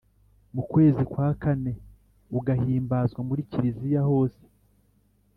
mu kwezi kwa kane ugahimbazwa muri kiliziya hose